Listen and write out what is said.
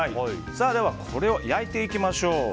ではこれを焼いていきましょう。